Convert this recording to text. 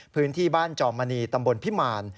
พื้นที่บ้านจอมมณีตำบลพิมาร